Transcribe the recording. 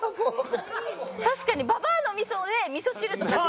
確かにババァの味噌で味噌汁とか作って。